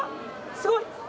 すごい！